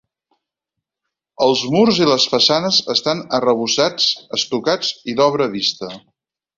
Els murs i les façanes estan arrebossats, estucats i d'obra vista.